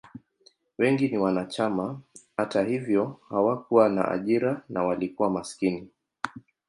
Wengi wa wanachama, hata hivyo, hawakuwa na ajira na walikuwa maskini.